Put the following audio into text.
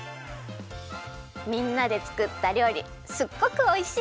みんなでつくったりょうりすっごくおいしい。